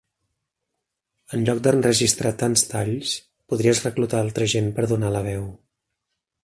En lloc d'enregistrar tants talls, podries reclutar altra gent per donar la veu.